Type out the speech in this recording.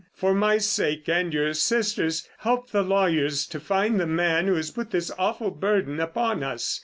For my sake, and your sister's, help the lawyers to find the man who has put this awful burden upon us.